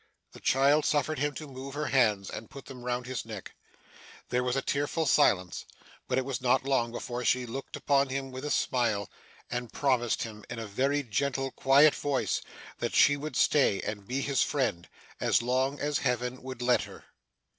The child suffered him to move her hands, and put them round his neck. There was a tearful silence, but it was not long before she looked upon him with a smile, and promised him, in a very gentle, quiet voice, that she would stay, and be his friend, as long as Heaven would let her.